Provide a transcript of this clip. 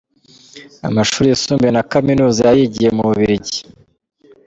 Amashuri yisumbuye na Kaminuza yayigiye mu Bubiligi.